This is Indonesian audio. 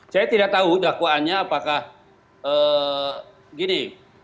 saya tidak tahu dakwaannya apakah gini